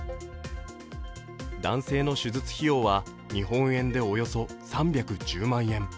男性の手術費用は日本円でおよそ３１０万円。